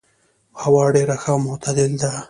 هوا ډېر ښه او معتدل ده.